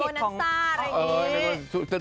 ขายโบนัสซ่าอะไรอย่างนี้